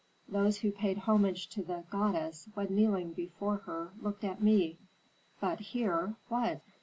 Those who paid homage to the goddess, when kneeling before her, looked at me. But here what?